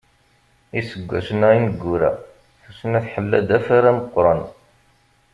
Iseggasen-a ineggura tussna tḥella-d afara meqqren.